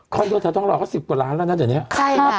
คอนโดแถวทองรอเขาสิบกว่าร้านก็น่าจะเนี่ยใช่ค่ะ